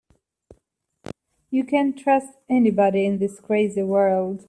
You can't trust anybody in this crazy world.